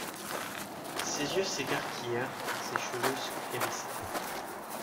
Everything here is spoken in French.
Ses yeux s'écarquillèrent, ses cheveux se hérissèrent.